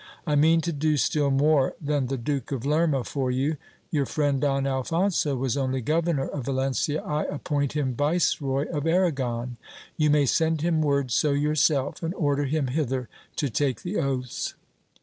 I mean to do still more than the Duke of Lerma for you. Your friend Don Alphonso was only Governor of Valencia ; I appoint him Viceroy of Arragon : you may send him word so yourself, and order him hither to take the oaths.